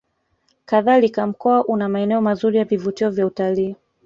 Kadhalika Mkoa una maeneo mazuri ya vivutio vya utalii